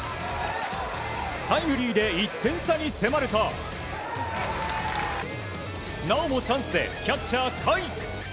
タイムリーで１点差に迫るとなおもチャンスでキャッチャー甲斐。